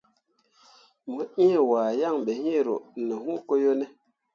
Mo ĩĩ wahe yaŋ be iŋ ro ne hũũ ko yo ne ?